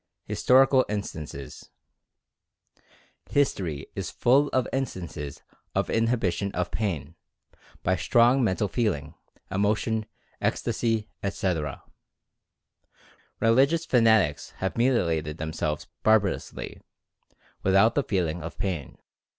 HISTORICAL INSTANCES. History is full of instances of inhibition of pain, by strong mental feeling, emotion, ecstasy, etc. Religious fanatics have mutilated themselves barbarously, with out feeling the pain.